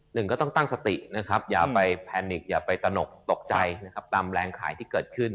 หนึ่งก็ต้องตั้งสตินะครับอย่าไปแพนิกอย่าไปตนกตกใจนะครับตามแรงขายที่เกิดขึ้น